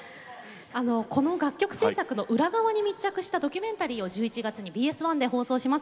この楽曲制作の裏側に密着したドキュメンタリーを１１月にＢＳ１で放送します。